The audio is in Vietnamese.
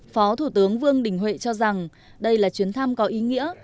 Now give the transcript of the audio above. phó thủ tướng vương đình huệ cho rằng đây là chuyến thăm có ý nghĩa